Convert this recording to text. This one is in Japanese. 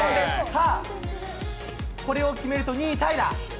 さあ、これを決めると２位タイだ。